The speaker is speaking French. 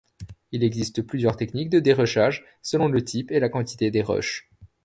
Il existe plusieurs techniques de dérushage selon le type et la quantité des rushes.